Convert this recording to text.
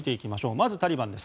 まず、タリバンです。